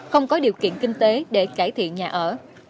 không có điều kiện kinh tế để cải thiện nhà ở